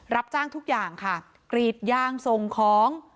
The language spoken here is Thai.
รับจ้างทุกอย่างค่ะกรีดยางส่งของ